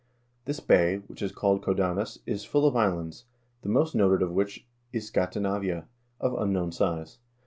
This bay, which is called Codanus, is full of islands, the most noted of which is Scati navia, of unknown size."